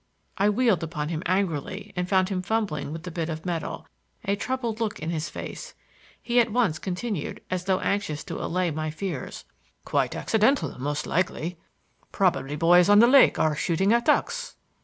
I wheeled upon him angrily and found him fumbling with the bit of metal, a troubled look in his face. He at once continued, as though anxious to allay my fears. "Quite accidental, most likely. Probably boys on the lake are shooting at ducks."